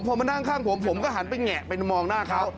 พอมานั่งข้างผมผมก็หันไปแงะไปมองหน้าเขา